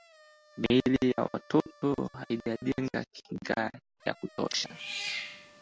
miili ya watoto haijajenga kinga ya kutosha